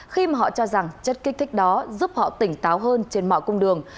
khi mà họ cho rằng chất kích thích đó giúp họ tỉnh táo hơn trên mọi cung đường